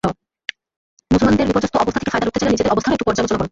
মুসলমানদের বিপর্যস্ত অবস্থা থেকে ফায়দা লুটতে চাইলে নিজেদের অবস্থারও একটু পর্যালোচনা কর।